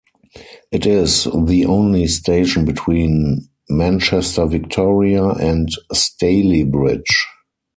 It is the only station between Manchester Victoria and Stalybridge.